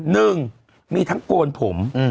หนึ่งมีทั้งโกนผม